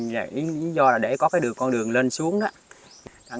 lý do là để có đường con đường lên xuống đó